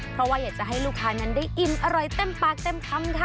เพราะว่าอยากจะให้ลูกค้านั้นได้อิ่มอร่อยเต็มปากเต็มคำค่ะ